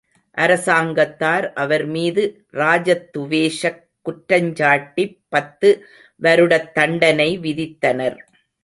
அரசாங்கத்தார் அவர்மீது ராஜத்துவேஷக் குற்றஞ்சாட்டிப் பத்து வருடத் தண்டனை விதித்தனர்.